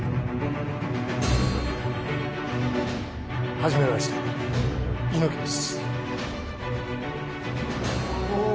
初めまして、猪木です。